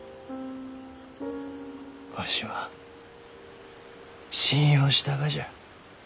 わしは信用したがじゃ。